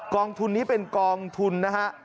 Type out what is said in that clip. องทุนนี้เป็นกองทุนนะฮะ